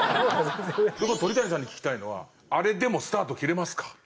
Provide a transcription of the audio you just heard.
鳥谷さんに聞きたいのはあれでもスタート切れますか？